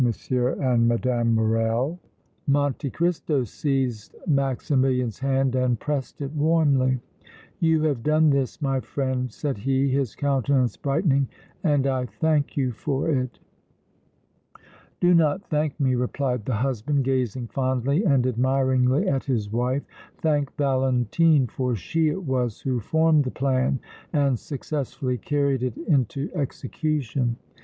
and Mme. Morrel. Monte Cristo seized Maximilian's hand and pressed it warmly. "You have done this, my friend," said he, his countenance brightening, "and I thank you for it!" "Do not thank me," replied the husband, gazing fondly and admiringly at his wife; "thank Valentine, for she it was who formed the plan and successfully carried it into execution!"